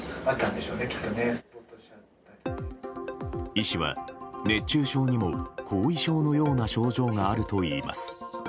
医師は熱中症にも後遺症のような症状があるといいます。